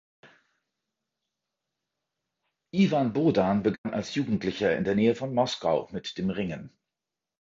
Iwan Bohdan begann als Jugendlicher in der Nähe von Moskau mit dem Ringen.